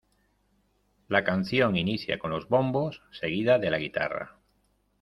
La canción inicia con los bombos, seguida de la guitarra.